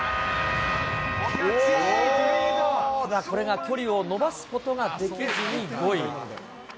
これが距離を伸ばすことができずに、５位。